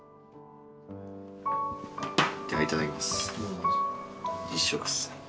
ではいただきます。